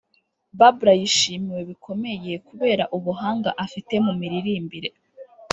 Barbra yishimiwe bikomeye kubera ubuhanga afite mu miririmbire